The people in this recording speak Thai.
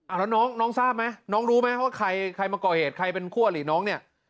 แล้วน้องน้องทราบไหมน้องรู้ไหมว่าใครมาก่อเหตุใครเป็นคู่อลิน้องเนี่ย